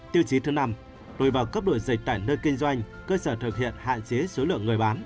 tiêu chí năm rồi vào cấp độ dịch tại nơi kinh doanh cơ sở thực hiện hạn chế số lượng người bán